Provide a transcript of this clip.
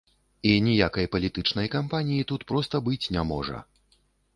І ніякай палітычнай кампаніі тут проста быць не можа.